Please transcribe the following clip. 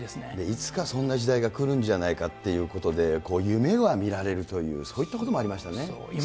いつかそんな時代が来るんじゃないかっていうことで、夢がみられるというそういったこともありましたね。